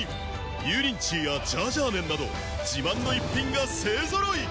油淋鶏やジャージャー麺など自慢の逸品が勢揃い！